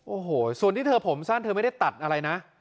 โอ้โหส่วนที่เธอผมสั้นเธอไม่ได้ตัดอะไรนะ